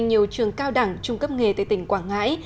nhiều trường cao đẳng trung cấp nghề tại tỉnh quảng ngãi